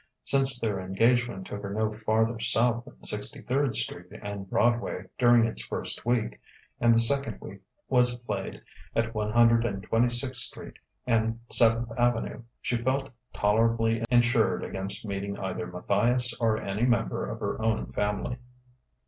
Since their engagement took her no farther south than Sixty third Street and Broadway during its first week, and the second week was played at One hundred and twenty sixth Street and Seventh Avenue, she felt tolerably insured against meeting either Matthias or any member of her own family.